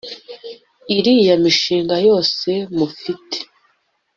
'iriya mishinga yose mufite!